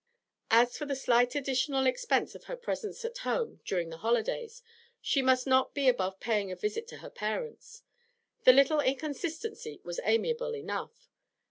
As for the slight additional expense of her presence at home during the holidays, she must not be above paying a visit to her parents; the little inconsistency was amiable enough.